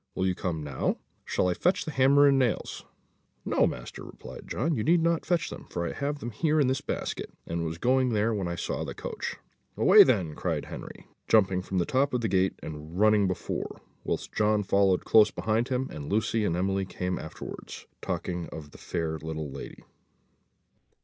Will you come now? Shall I fetch the hammer and nails?" "No, master," returned John, "you need not fetch them, for I have them here in this basket, and was just going when I saw the coach." "Away then," cried Henry, jumping from the top of the gate, and running before, whilst John followed close behind him, and Lucy and Emily came afterwards, talking of the fair little lady.